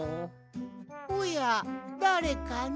・おやだれかの？